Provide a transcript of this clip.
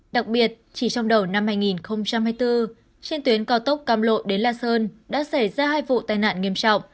đặc biệt chỉ trong đầu năm hai nghìn hai mươi bốn trên tuyến cao tốc cam lộ đến la sơn đã xảy ra hai vụ tai nạn nghiêm trọng